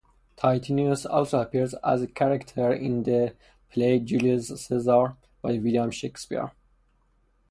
Titinius also appears as a character in the play "Julius Caesar" by William Shakespeare.